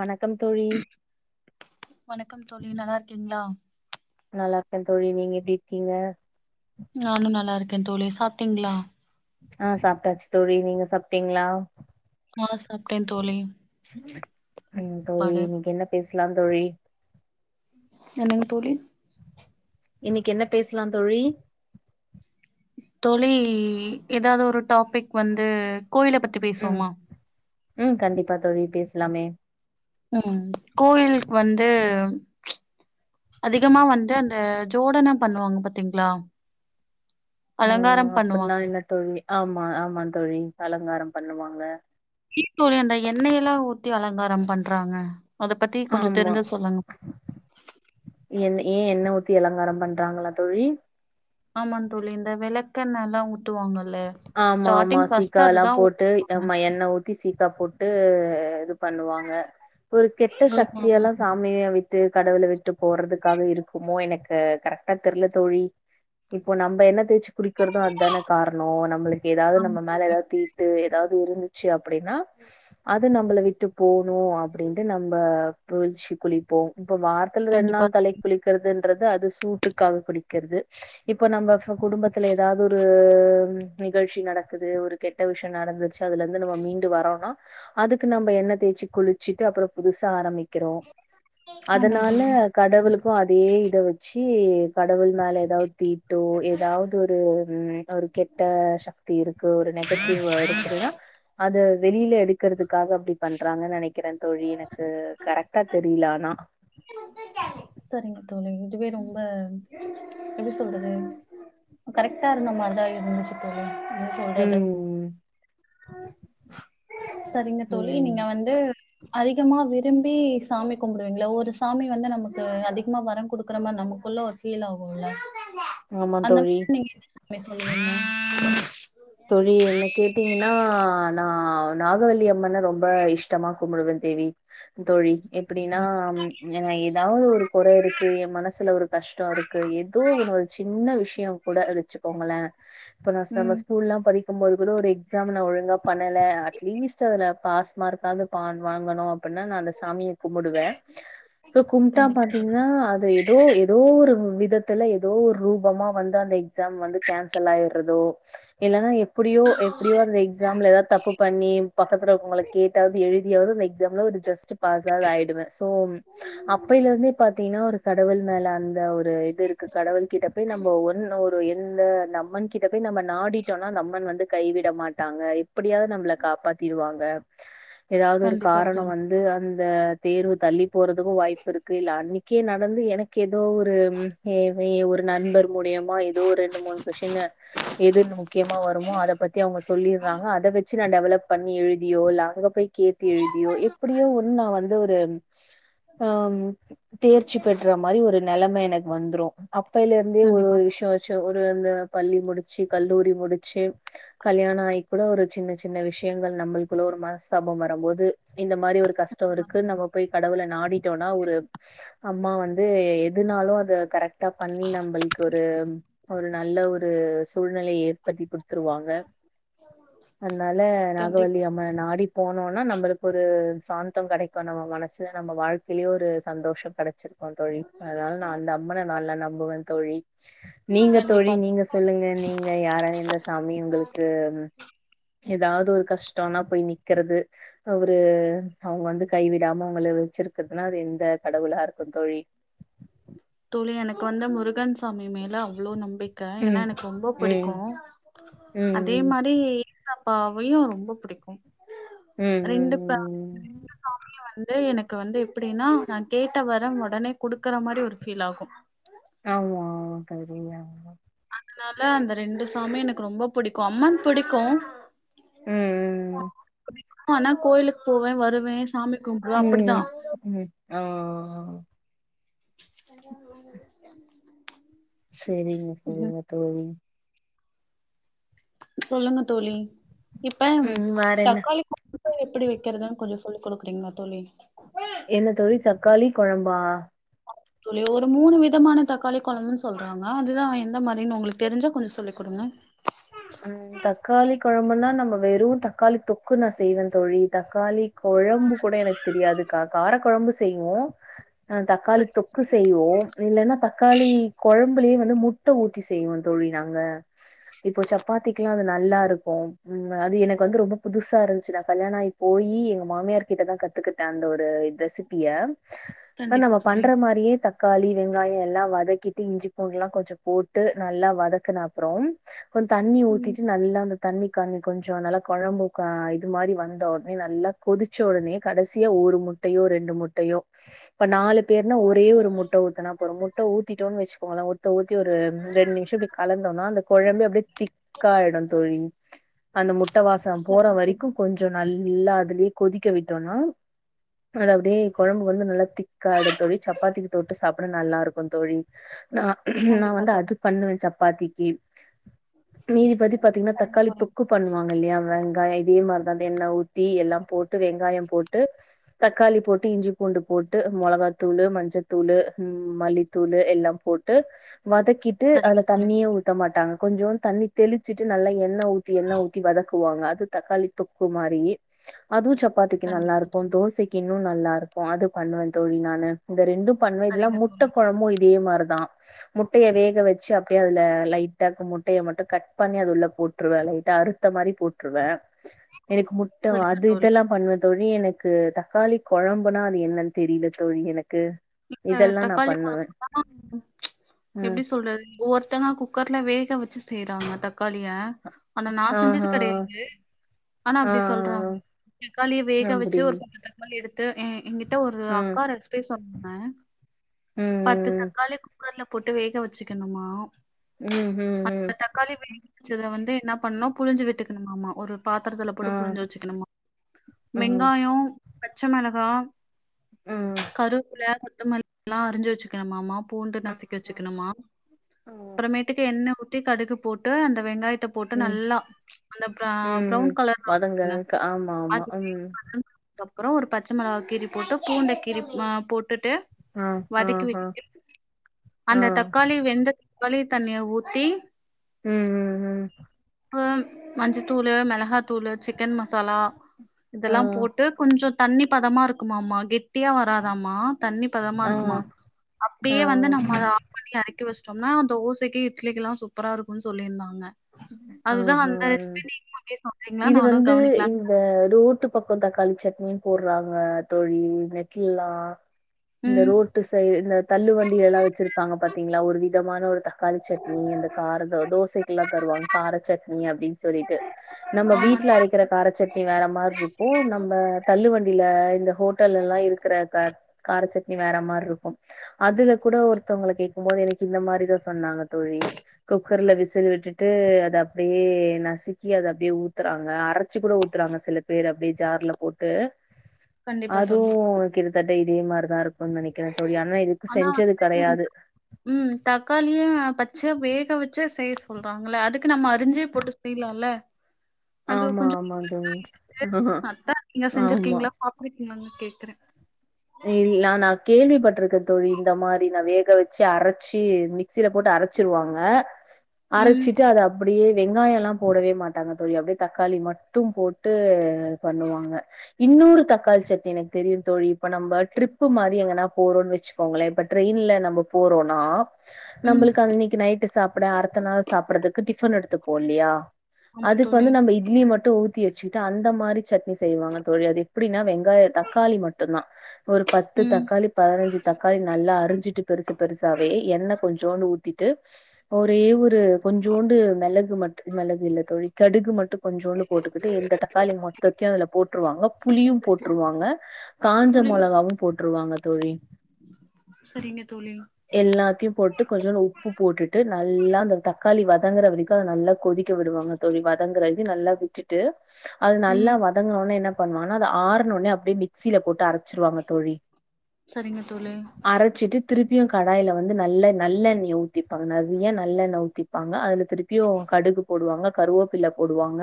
வணக் வணக்கம் தோழி நல்லா இருக்கீங்களா நல்லா இருக்கா தோழி நீங்க எப்டி இருக்கீங்க நானும் நல்லா இரு ஏன் தோழி சாப்பிட்டீங்களா ஆஹ் சாப்பிட்டாச்சு தோழி நீங்க சாப்ட்டீங்களா ஆ சாப்ட்டே தோழி ம் தோ சாப்பாடு இன்னிக்கு என்ன பேச லா தோழி என்னங்க தோழி இன்னிக்கி என்ன பேசலா தோழி தோழி எதாவது ஒரு டாபிக் வந்து கோயில பத்தி ம் பேசுவோமா ம் கண்டிப்பா தோழி பேசலாமே ம் கோயிலுக்கு வந்து அதிகமா வந்து அந்த ஜோடனோ பண்ணுவாங்க பாத்தீங்களா ம் அலங்காரம் அப்டின்னா பண்ணுவாங்கள என்ன தோழி ஆமா ஆமா தோழி அலங்காரம் பண்ணுவாங்க ஏன் தோழி அந்த எண்ணயெல்லாம் ஊத்தி அலங்காரம் பண்றாங்க அது பத்தி கொஞ்சோ ஆமா தெரிஞ்சா சொல்லுங்க என் ஏ எண்ணெ ஊத்தி அலங்காரம் பண்றாங்களா தோழி ஆமாங்க தோழி இந்த வெளக்கெண்ணலா ஊத்துவாங்க ஆமா ஆமா சீக்காயெல்லா போட்டு ஊத்துவாங்க ஆம்மா எண்ண ஊ த்தி சீக்கா போட்டு இது பண்ணுவாங்க ஒரு கெட்ட ஆமா ஆமா சக்தியெல்லா சாமிய விட்டு கடவுள விட்டு போறதுக்காகயிருக்குமோ எனக்கு கரெக்டா தெரில தோழி இப்போ நம்ம எண்ண தேச்சு குளிக்குறதோ அதான காரணோ எதாவது நம்ம மேல ஆமா எதாவது தீட்டு எதாவதுயிருந்துச்சு அப்டின்னா அது நம்பள விட்டு போணோ அப்டின்டு நம்ப வெய்ச்சு குளிப்போம் இப்ப வாரத்துல ரெண்டு கண்டிப்பா நாள் தலைக் குலிக்கு றது அது சூட்டுக்காக குளிக்குறது இப்ப நம்ம குடும்பத்துல எதாவது ஒரு நிகழ்ச்சி நடக்குது ஒரு கெட்ட விஷயம் நடந்துடுச்சு அதுலயிருந்து நம்ப மீண்டு வரோனா அதுக்கு நம்ம எண்ண தேய்சு குளி ச்சுட்டு அப்பறோம் புதுசா ஆரம்பிக் கிறோ ஆமா அதனால தோழி கடவுளுக்கோ அதே இத வெச்சு பத்தி கடவுள் மேல எதாவது தீட்டோ எதாவது ஒரு ஒரு கெட் ட சக்தியி ருக்கு ஒரு நெகட்டிவ்யிருக்குதுன்னா அது இத வெளியில எடுக்கறத்துக்காக அப்டி பண்றாங்கன்னு நெனைக்குறே தோழி எனக்கு கரெக்டா தெரியல ஆனா செரிங்க ஒன இத்துவே ரொம்ப எப்டி சொல்றது கரெக்டா இருந்த மாரிதா இருந்துச்சு தோழி என்ன சொல்றது ம், சரிங்க தோழி ம். நீங்க வந்து அதிகமா விரும்பி சாமி கும்பிடுவீங்களா ஒரு சாமி வந்து நமக்கு அதிகமா வரம் கொடுக்குற மாதிரி நமக்குள்ள ஒரு ஃபீல் ஆகும்ல்ல ஆமா அந்த தோழி. மாரி நீங்க [inaudible] நான் நாகவல்லி அம்மன ரொம்ப இஷ்டமா கும்புடுவேன் தேவி தோழி எப்படின்னா ஏதாவது ஒரு குறை இருக்கு என் மனசுல ஒரு கஷ்டம் இருக்கு ஏதோ ஒன்ன ஒரு சின்ன விஷ் ஏ கூட வெச்சிக்கோங்களே ம் [unintelligible] படிக்கும்போது கூட ஒரு எக்ஸாம் நான் ஒழுங்கா பண்ணல அட்லீஸ்ட் அதுல பாஸ் மார்க்காவது பான் வாங்கணும் அப்டினா நானு சாமிய கும்பிடுவேன் கும்பிட்டா கண்டிப்பா பாத்தீங்கன்னா அது ஏதோ ஏதோ ஒரு விதத்துல ஏதோ ரூபமா வந்து அந்த எக்ஸாம் வந்து கேன்சல் ஆயறதோ இல்லன்னா எப் எப்படியோ எப்படியோ அந்த எக்ஸாம்ல ஏதாவ தப்பு பண்ணி பக்கத்துல உங்கள கேட்டாவது எழுதியாவது அந்த எக்ஸாம்ல ஒரு ஜஸ்ட் பாஸ் ஆவது ஆயிடுவேன் சோ அப்பலேருந்தே பாத் பத்தீனா ஒரு கடவுள் மேல அந் ஒரு இது இருக்கு கடவுள் கிட்ட போய் நம்ம ஒன்ன ஒரு என நம்மன் கிட்ட கிட்ட போய் நம்ம நாடி டோன்னா அந்த அம்மன் வந்து கைவிட மாட்டாங்க அப்படியாது நம்மள காப்பாத்திடுவாங்க ஆ ஏதாவது ஒரு கண்டிப்பா காரணம் தோழி வந்து அந் இந்த தேர்வு தள்ளி போறதுக்கும் வாய்ப்பு இருக்கு இல்ல அண்ணேக்கே நடந்து எனக்கு எத் ஏதோ ஒரு ஏதே ஒரு நண்பர் மூலியம்மா ஏதோ ஒரு ரெண்டு மூணு கொஷின்னு ஏதுன் நமுக் முக்கியமா வருமோ அத பத்தி அவங்க சொல்லிறாங்க அத வச்சு நான் டெவலப் பண்ணி எழுதியோ இல்ல அங்க போய் கேத்து எழுதியோ எப்படியோ ஒண்ணு நான் வந்து அந்த ஒரு ஹம் தேர்ச்சி பெற்றா மாரி ஒரு நிலம எனக்கு வந்துரும் அப்பைல இருந்தே ஒரு கண்டிப்பா தோழி. விஷயம் வச்சு ந்த ந்த பள்ளி முடிச்சு கல்லூரி முடிச்சு கல்யாண ஆயி கூட ஒரு சின்ன சின்ன விஷயங்கள் நம்மளுக்குள்ள ஒரு மனஸ்தாபம் வரும்போது இந்த மாரி ஒரு கஷ்டம் இருக்கு நம்ம போய் கடவுள நாடிட்டோம்னா ஒரு அம்மா வந்து எதுனாலும் அத கரெக்டா பண்ணி நம்மளுக்கு ஒரு ஒரு நல்ல ஒரு சூழ்நிலையை ஏ பத்தி குடுத்துருவாங்க அதனால கண்டிப்பா நாகவல்லி அம்ம நாடி போனோனா நம்மளுக்கு ஒரு சாந்தம் கெடைக்கும் நம்ம மனசு நம்ம வாழ்க்கையிலயே ஒரு சந்தோஷம் கிடைச்சிரும் தொழி அதனால நான அந்த அம்மனை நல்லா நம்புவேன் தொழி நீங்க தொழி கண்டிப்பா நீங்க சொல்லுங்கள நீங்க யார ந்த சாமி உங்களுக்கு ஏதாவது ஒரு கஷ்டம்னா போய் நிக்கறது அவரு அவங்க வந்து கைவிடாம அவங்க வச்சிருக்குதுன்னா அது எந்த கடவுளா இருக்கும் தொழி துளி எனக்கு வந்து முருகன் சாமி மேல அவ்ளோ நம்பிக் க்க ஏன்னா ம். எனக்கு ரொம்ப ம். பிடிக்கும் ம். அதே ம். மாரி அப்ப அவையும் ரொம்ப புடிக்கும் ம் ம் ம் சாமியு வந்து எனக்கு வந்து எப்டின்னா நான் கேட்ட வரம் உடனே குடுக்குற மாரி ஒரு பீல் ஆகும் ஆமா செரி ஆமா அதனால அந்த ரெண்டு சாமியும் எனக்கு ரொம்ப பிடிக்கும் அம்மன் பிடிக்கும் ம். [unintelligible] ஆன கோயிலுக் போவேன் வருவேன் சாமி கும்புடுவேன் அப்டிதான் ஓ ஓ [inaudible] செரிங்க ம் சொல்லுங்க தொழி சொல்லுங்க தோழி இப்ப ம் வேற என்ன? தக்காளி எப்டி வைக்கிறதுன்னு கொஞ்சம் சொல்லி் கொடுக்குறீங்களா தோழி என்ன தோழி தக்காளி குழம்பா சொல்லி ஒரு மூணு விதமான தக்காளி குழம்புன்னு சொல்றாங்க அதுதான் எந்த மாதிரனு உங்களுக்கு தெரிஞ்சா கொஞ்சம் சொல்லி கொடுங்க ம் தக்காளிக் குழம்புன்னா நம்ம வெறும் தக்காளி தொக்கு நான் செய்வேன் தோழி தக்காளி குழம்பு கூட எனக்கு தெரியாது கார குழம்பு செய்வோம் தக்காளி சரி தொக்கு செய்வோம் இல்லலன்னா தக்காளி குழம்புலயே வந்து முட்ட ஊத்தி செய்வோம் தொழி நாங்க இப்போ சப் சப்பாத்திக்கலாம் அது நல்லா இருக்கும் அது எனக்கு வந்து ரொம்ப புதுசா இருந்துச்சு நான கல்யாணம் ஆகி போய் எங்க மாமியார் கிட்ட தான் கத்துக்கிட்டேன் அந்த ஒரு ரெசிபிய இஸ் நம்ம கண்டிப்பா தோழி பண்ற மாரியே தக்காளி வெங்காயம் எல்லாம் வதக்கிட் இஞ்சி பூண்டு எல்லாம் கொஞ்சம் போட்டு நல்லா வதக்குன அப்பறம் கொஞ் தண்ணி ம் ஊத்திட்டு நல்லா அந்த தண்ணி கண்ணி கொஞ்சம் நல்லா குழம்பு இது மாரி வந்த உடனே நல்லா கொதிச்ச உடனே கடைசியா ஒரு முட்டையோ ரெண்டு முட்டையோ இப்ப நாலு பேர்னா ஒரே ஒரு முட்ட ஊத்தினா போறும் முட்ட ஊத்திட்டோன்னு வச்சுக்கோங்களாம் ஊத்தி ஒரு ரெண்டு நிமிஷம் இப்படி கலந்தோம்னா அந்த குழம்பு அப்டியே திக்காயிடும் தோழி அந்த முட் முட்டவாசம் போற சரிங்க தோழி வரைக்கும் கொஞ்சம் நல்லா அதுலயே கொதிக்க விட்டோம்னா அது அப்படியே குழம்பு வந்து நல்லா திக்காாயிடும் தோழி சப்பாத்திக்கு தொட்டு சாப்பிட நல்லா இருக்கும் தோழி ந நான் கண்டிப்பா வந்து தோழி அது பண்ணுவேன் சப்பாத்தி திக் மீதிபேத்துக்கு பாத்தீங்கன்னா சரிங்க தக்காளி தோழி தொக்கு பண்ணுவாங்க இல்லையா வெங்காயம் இதே மாதிரிதான் எண்ணெய ஊத்தி எல்லாம் போட்டு வெங்காயம் போட்டு தக்காளி போட்டு இஞ்சி பூண்டு போட்டு மிளகத்தூளு மஞ்சத்தூளு மல்லித்தூள் எல்லாம் போட்டு வதக்கிட்டு சரிங்க அதுல தோழி தண்ணியே ஊத்த மாட்டாங்க கொஞ்சோம் தண்ணி தெளிச்சிட்டு நல்லாஎன்ன ஊத்தி என்ன ஊத்தி வதக்குவாங்க அது தக்காளி தொக்கு மாரி அதுவும் சப்பு சப்பாத்திதுக்கு நல்லா கண்டிப்பா இருக்கும் தோழி தோசைக்கு இன்னும் நல்லா இருக்கும் அது பண்ணுவேன் தொழி நானு இந்த ரெண்டு பண்ணுவன் இதலாம் சரிங்க முட்ட தோழி குழம்புமும் இது இதே மாதிரிதான் முட்டையை வேக வச்சு அப்படியே அதுல லைட்டா முட் முட்டயை மட்டும் கட் பண்ணி அது உள்ள போட்டுருவேன் லைட்ட அறுத்த மாரி போட்டுருவேன் எனக்கு முட்டவ சரிங்க அது தோழி இதெல்லாம் பண்ணுவது தோழி எனக்கு தக்காளி குழம்புனா அது என்னன்னு தெரியல தோழி எனக்கு இப்ப இதெல்லாம் நான் தக்காளி பண்ணுவேன். கொளம்புலாம் ம். எப்படி சொல்றது ஒவ்வொருதங்க குக்கர்ல வேக வச்சு சிஸ் செய்ராக தப் தக்காளிய ஆனா நான செஞ்சது ஆஹா. கெடையாது ஆனா ஆ. அப்டி சொல்றாங்க தக்காளிய வேக வச்சு அப்படி. ஒரு முண்ணு தக்காளி எடுத்து என்கிட்ட ஒரு ம். அக்கா ரேசிபி சொன்னங்க ஹுன் பத்து ம். தக்காளி குக்கர்லப்போட்டு வேக வச்சுக்கணுமா ம். ம். ம். அந்த ம். தக்காளி வேக வச்சதுல வந்து என்ன பண்ணனும் புழிஞ்சு விட்டுக்கணும மா ஒரு பாத்திரத்துல ஆ. போட்டு புல்லுஞ்ஜு வச்சுக்கணுமா ம். ம். வெங்காயம் பச்சமிளகா ம். கருவூ புள கோத்தமல்லி லாம் அறி்ஞ்சு வச்சக்கணுமாம்மா பூண்டு நசுக்கி ம். வச்சுக்கணுமா ம். அப்புறமேட்டுக்கு என்ன திக் கடுகு போட்டு அந்த வெங்காயத் அத்தபோட்டு ம் நல்லா அந்த ம் பிரவுன் கலர்ல ஆக்குங்க வதங்கறக்கு ஆமா ஆமா ம் அதுக்கப்பறம் ஒரு பச்ச மிளகா கீரி போட்டு பூண்ட கீரி போட்டு ஆ ஆ டுவதக்கி ஆ விட்டு ஆ அந்த தக்காளி வெந்த வளித்தண்ணிய ஊத்தி உம்ம்ம் உம்ம்ம் உம்ம்ம் ம் மஞ்சத்தூள் மிளகாத்தூள் சிக் சிக்கன் மசாலா ஆ இதெல்லாம் போட்டு கொஞ்சம் தண்ணி பதமா இருக்குமாம்மா கெட்டியாக வராதாம்மா தண்ணி பதமா ஆ இருக்குமா ஆ அப்பயே வந்து நம்ம ஓகே அத ஆஃப் பண்ணி ஏரை ஆண்டிவச்சூடோனா தோசைக்கு இட்லிக்கு எல்லாம் சூப்பரா இருக்கும்னு சொல்லியிருந்தாங்க ஆஹ்ஹ் அப்டியே சொல்றீங்களா இது நானு வந்து கவனிக்கலான் இந்த ரோட்டு பக்கம் தக்காளி சட்னி போடுறாங்க தோழி நெட்லல்லாம் இந்த ம் ரோட்டு சைடு இந்த தள்ளு வண்டியல்லாம் வச்சிருப்பாங்க பாத்தீங்களா ஒரு விதமான ஒரு தக்காளி சட்னி இந்த கார தோசைக்குல்லாம் தருவாங்க கார சட்னி அப்புடின்னு சொல்லிட்டு நம்ம ஆமா வீட்டுல தோழி அரைக்கிற காரச்சட்னி வேற மாரி இருக்கும் நம்ம தள்ளு வண்டியில இந்த ஹோட்டல்ல எல்லாம் இருக்கிற அந்த கார சட்னி வேற மாரி இருக்கும் அதுல கூட ஒருத்தவங்கள கேட்கும் போது எனக்கு இந்த மாதிரிதான் சொன்னாங்க தோழி குக்கர்ல விசில் விட்டுட்டு விட்டு அதை அப்படியே நசுக்கி அதை அப்படியே ஊத்துறாங்க அரைச்சு கூட ஊத்துறாங்க சில பேர் அப்படியே ஜார்ல போட்டு கண்டிப்பா தோழி அதுவும் கிட்டத்தட்ட இதே மாரிதா இருக்கு ஆனா கெடையாது. உம் தக்காளியே பச்சையா வேக வச் ச்சு செய்ய சொல்றாங்கள அதுக்கு நம்ம அரிஞ்சு போட்டு செய்யலாம்ல அது ஆமா கொஞ்சம் ஆமா தோழி. இரு ஆஹ அக்கா நீங்க ஆமா. செஞ்சிருக்கீங்களா என்னனு கேக்குறேன் நான் கேள்விப்பட்டிருக்க தோழி இந்த மாதிரி நான் வேக வச்சு அரைச்சு மிக்சியில போட்டு அரைச்சி வச்சிருவாங்க ம் அரைச்சிட்டு அத அப்டியே வெங்காயலாம் போடவே மாட்டாங்க தோழி அப்படியே தக்காளி மட்டும் போட்டு பண்ணுவாங்க இன்னொரு தக்காளி சட்னி எனக்கு தெரியும் தோழி நம்பர் ட்ரிப் மாரி எங்கனா போறோன் வச்சு வச்சுக்கோங்களேன் இப்ப ட்ரெயின்ல நம் போறோம்னா ம் நம்மளுக்கு அன்னைக்கு நைட்டு் சாப்பிட அடுத்த நாள் சாப்பிடறதுக்கு டிஃபன் எடுத்து போல்லையா ஆமா அதுக்கு தோழி வந்து நம்ம இட்லி மட்டும் ஊத் ஊத்தி வச்சிட்டு அந்த மாரி சட்னி செய்வாங்க தோழி அது எப்புடினா வெங்காயம் தக்காளி மட் மட்டும்தா ஒரு பத்து ம் தக்காளி பதினஞ்சு தக்காளி நல்லா அறிஞ்சிட்டு பெருசு பெருசாவே எண்ண கொஞ்சோண்டு ஊத்திட்டு ஒரே ஒரு கொஞ்சோண்டு மிளகு மிளகு இல்ல தோழி கடுகு மட்டும் கொஞ்சோண்டு போட்டுக்கிட்டு இந்த தக்காளி மொத்தத்தையும் அதுல போட்டுருவாங்க புளியும் போட்டுருவாங்க காஞ்ச புளி மிளகாவும் போட்டு ட்டுருவாங்க தோழி சரிங்க தோழி எல்லாத்தையும் போட்டு கொஞ்சோன்டு உப்பு போட்டுட்டு நல்லா அந்த தக்காளி வதக்கி வதங்குற வெறிக்கோ அத நல்லா கொதிக்க விடுவாங்க தோழி வதங்குற இது நல்லா விட்டுட்டு அது நல்லா ம் வாதங்குன ஒடனே என்ன பண்ணுவாங்கன்னா அது ஆருநேன அப்டியே மிக்சில போட்டு அரச்சுடுவாங்க தோழி செரிங்க தோழி திருப்பியோ கடாயில வந்து நல்ல நல்லெண்ணய ஊத்திப்பாங்க நெறிய நல்லெண்ண ஊத்திப்பாங்க அதுல திருப்பியோ கடுகு போடுவாங்க கருவேப்பில்ல போடுவாங்க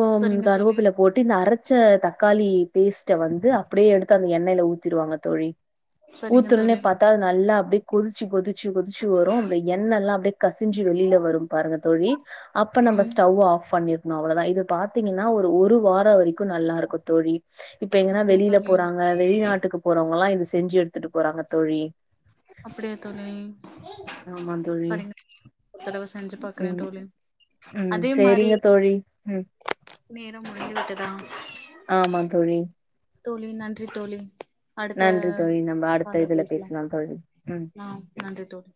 உ சரிங்க தோழி கருவேப்பில்ல போட்டு இந்த அர ச்ச தக்காளி பேஸ்ட் ட வந்து அப்டியேயெடுத்து அந்த எண்ணையில ஊத்திருவாங்க தோழி சரிங்க ஊத்துன்னே தோழி பாத்தா நல்லா அப்டி கொதிச்சு கொதி திச்சு கொதிச்சு வரும் அந்த எண்ணல்லா அப்டியே கசிஞ்சு வெளியில வரும் பாருங்க தோழி அப்ப நம்ப ம் ஸ்டவ் ஆஃப் பண்ணி அவ்வளதா இது பாத்தீங்கன்னா ஒரு வாரோம் வரிக்கும் நல்லாயிருக்கும் தோழி இப்ப எங்கன்னா அப்படியா வெளியில தோழி போறாங்க வெளிநாட்டுக்கு போறவங்கல்லா இது செஞ்சு எடுத்துட்டு போறாங்க தோழி அப்டியா தோழி சரிங்க தோழி செஞ்சு உம் பாக்குறேன் தோழி உம் அதே மாரி சேரிங்க தோழி உம் நேரம் முடிந்துவிட்டதா ஆமா தோழி தோழி நன்றி தோழி அடுத்த நன்றி தோழி நம்ம அடுத்த கால்ல இதுல பேசலா தோழி ம் ஆஹ் நன்றி தோழி